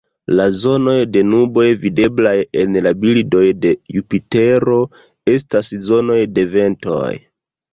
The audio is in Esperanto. La zonoj de nuboj videblaj en la bildoj de Jupitero estas zonoj de ventoj.